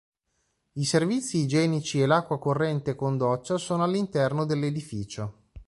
I servizi igienici e l'acqua corrente con doccia sono all'interno dell'edificio.